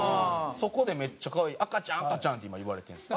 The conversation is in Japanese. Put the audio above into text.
そこでめっちゃ可愛い「赤ちゃん赤ちゃん」って今言われてるんです。